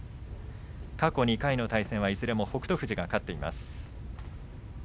過去２回の対戦はいずれも北勝富士が勝っています。